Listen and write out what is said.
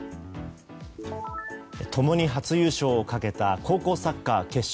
共に初優勝をかけた高校サッカー決勝。